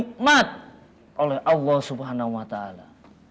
bukti dan nikmat oleh allah subhanahu wa ta'ala